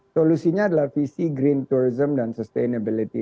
solusinya adalah visi green tourism dan sustainability